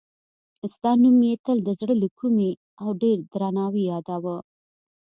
ستا نوم یې تل د زړه له کومې او په ډېر درناوي یادوه.